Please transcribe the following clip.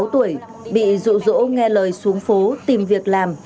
một mươi sáu tuổi bị rụ rỗ nghe lời xuống phố tìm việc làm